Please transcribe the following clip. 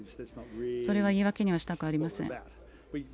それは、言い訳にはしたくありません。